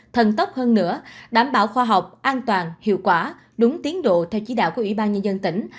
thần tốc hơn nữa đảm bảo khoa học an toàn hiệu quả đúng tiến độ theo chỉ đạo của ủy ban nhân dân tỉnh